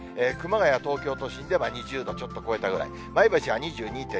熊谷、東京都心では２０度をちょっと超えたぐらい、前橋は２２．２度。